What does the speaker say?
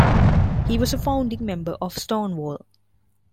He was a founding member of Stonewall.